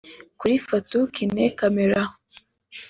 Kuri Fatou Kiné Camara